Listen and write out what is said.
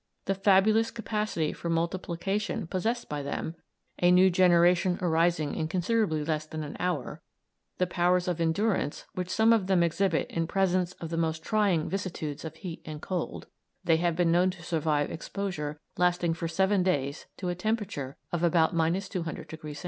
The fabulous capacity for multiplication possessed by them (a new generation arising in considerably less than an hour), the powers of endurance which some of them exhibit in presence of the most trying vicissitudes of heat and cold (they have been known to survive exposure lasting for seven days to a temperature of about 200° C.)